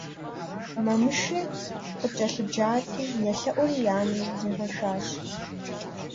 Мамыши къыкӀэлъыджати, елъэӀури и анэм зригъэшащ.